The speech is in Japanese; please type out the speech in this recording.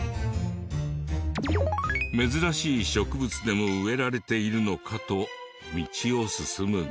珍しい植物でも植えられているのかと道を進むが。